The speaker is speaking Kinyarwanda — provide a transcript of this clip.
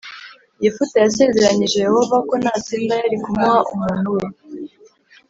Yefuta yasezeranyije Yehova ko natsinda yari kumuha umuntu we